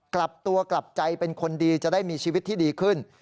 กลับตัวกลับใจเป็นคนดีจะได้มีชีวิตที่ดีขึ้น